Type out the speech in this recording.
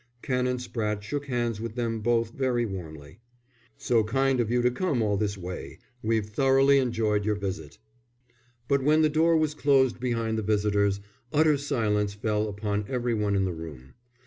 Canon Spratte shook hands with them both very warmly. "So kind of you to come all this way. We've thoroughly enjoyed your visit." But when the door was closed behind the visitors utter silence fell upon every one in the room.